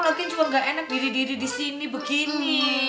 lagian cuma gak enak diri diri di sini begini